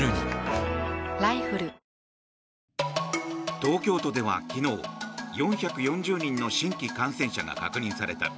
東京都では昨日４４０人の新規感染者が確認された。